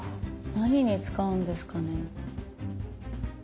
何に使うんですかね。